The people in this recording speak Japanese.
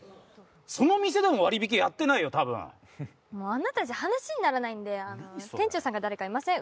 その店でも割引やってないよ多分もうあなたじゃ話にならないんで店長さんか誰かいません？